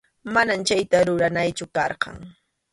Manam chayta ruranaychu karqan.